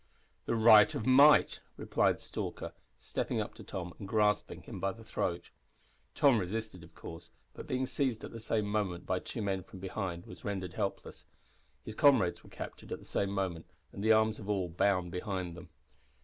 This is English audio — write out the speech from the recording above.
"The right of might," replied Stalker, stepping up to Tom, and grasping him by the throat. Tom resisted, of course, but being seized at the same moment by two men from behind, was rendered helpless. His comrades were captured at the same moment, and the arms of all bound behind them.